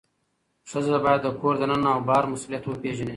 ښځه باید د کور دننه او بهر مسؤلیت وپیژني.